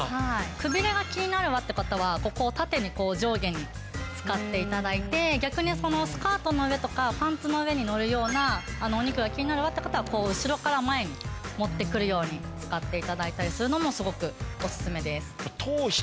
くびれが気になるわって方はここを縦に上下に使って頂いて逆にスカートの上とかパンツの上にのるようなお肉が気になるわって方は後ろから前に持ってくるように使って頂いたりするのもすごくおすすめです。